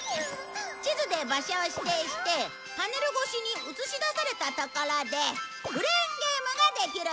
地図で場所を指定してパネル越しに映し出されたところでクレーンゲームができるんだ。